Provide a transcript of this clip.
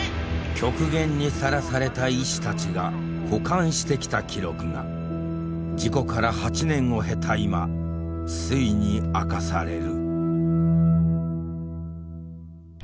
極限にさらされた医師たちが保管してきた記録が事故から８年を経た今ついに明かされる。